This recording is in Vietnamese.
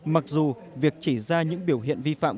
mặc dù việc chỉ ra những biểu hiện vi phạm